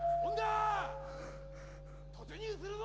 突入するぞ！